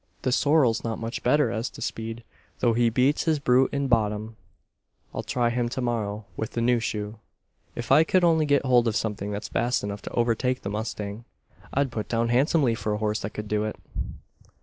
"The sorrel's not much better as to speed, though he beats this brute in bottom. I'll try him to morrow, with the new shoe. "If I could only get hold of something that's fast enough to overtake the mustang! I'd put down handsomely for a horse that could do it.